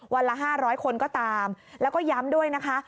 ละ๕๐๐คนก็ตามแล้วก็ย้ำด้วยนะคะ